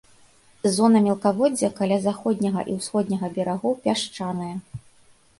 Зона мелкаводдзя каля заходняга і ўсходняга берагоў пясчаная.